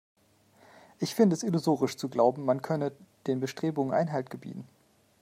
Ich finde es illusorisch zu glauben, man könne den Bestrebungen Einhalt gebieten.